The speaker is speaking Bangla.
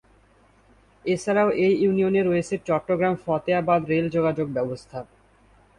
এছাড়াও এই ইউনিয়নে রয়েছে চট্টগ্রাম-ফতেয়াবাদ রেল যোগাযোগ ব্যবস্থা।